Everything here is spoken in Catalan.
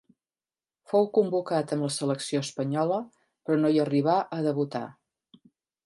Fou convocat amb la selecció espanyola però no hi arribà a debutar.